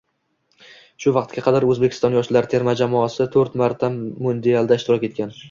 Shu vaqtga qadar O‘zbekiston yoshlar terma jamoasito´rtmarta mundialda ishtirok etgan